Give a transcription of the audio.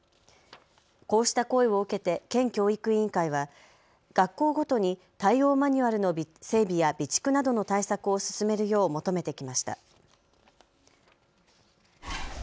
こうした声を受けて県教育委員会は学校ごとに対応マニュアルの整備や備蓄などの対策を進めるよう求めてきました。